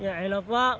ya elah pak